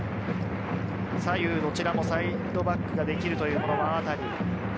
左右どちらもサイドバックができるという馬渡。